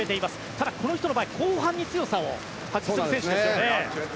ただ、この人の場合後半に強さを発揮する選手です。